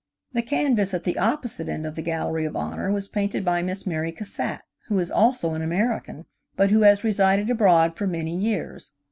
The canvas at the opposite end of the Gallery of Honor was painted by Miss Mary Cassatt, who is also an American, but who has resided abroad for many years.